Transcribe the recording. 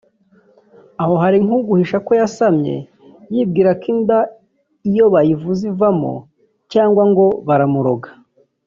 aho hari nk’uguhisha ko yasamye yibwira ko inda iyo bayivuze ivamo cyangwa ngo baramuroga